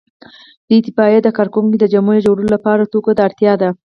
د اطفائیې د کارکوونکو د جامو جوړولو لپاره توکو ته اړتیا ده.